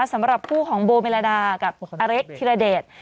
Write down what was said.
สำหรับคู่ของโบเมลดากับอเล็กธิรเดช